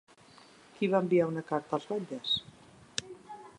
Qui va enviar una carta als batlles?